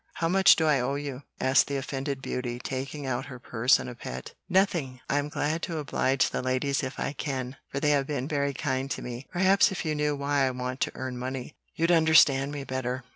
How much do I owe you?" asked the offended beauty, taking out her purse in a pet. "Nothing. I'm glad to oblige the ladies if I can, for they have been very kind to me. Perhaps if you knew why I want to earn money, you'd understand me better.